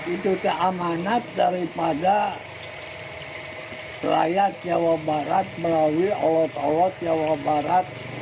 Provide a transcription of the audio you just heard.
itu keamanan daripada rakyat jawa barat melalui alat alat jawa barat